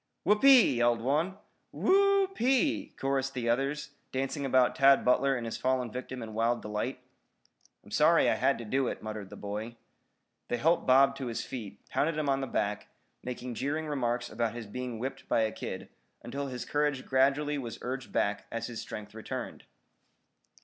"Whoopee!" yelled one. "Who o o p e e!" chorused the others, dancing about Tad Butler and his fallen victim in wild delight. "I'm sorry I had to do it," muttered the boy. They helped Bob to his feet, pounded him on the back, making jeering remarks about his being whipped by a kid, until his courage gradually was urged back as his strength returned.